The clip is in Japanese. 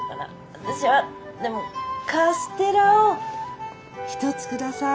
私はでもカステラを１つ下さい。